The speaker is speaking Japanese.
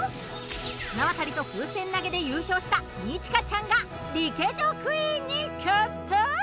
綱渡りと風船投げで優勝した二千翔ちゃんがリケジョ・クイーンに決定！